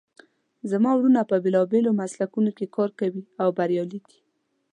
زما وروڼه په بیلابیلو مسلکونو کې کار کوي او بریالي دي